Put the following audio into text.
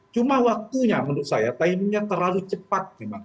cuma waktunya menurut saya timingnya terlalu cepat memang